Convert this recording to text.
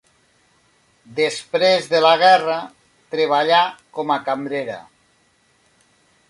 Després de la guerra treballà com a cambrera.